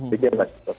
jadi ya pak